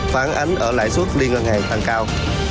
phản ánh ở lãi suất đi ngân hàng tăng cao